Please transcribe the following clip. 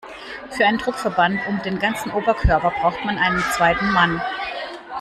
Für einen Druckverband um den ganzen Oberkörper braucht man einen zweiten Mann.